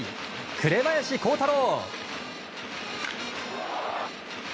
紅林弘太郎。